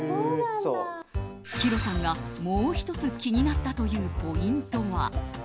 ヒロさんが、もう１つ気になったというポイントは。